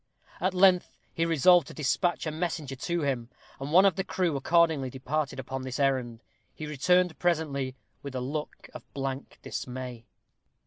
At length he resolved to despatch a messenger to him, and one of the crew accordingly departed upon this errand. He returned presently with a look of blank dismay.